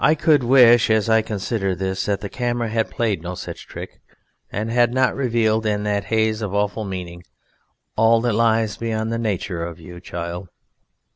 I could wish, as I consider this, that the camera had played no such trick, and had not revealed in that haze of awful meaning all that lies beyond the nature of you, child.